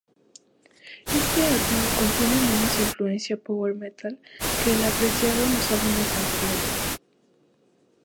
Este álbum contiene menos influencias Power metal, que es apreciado en los álbumes anteriores.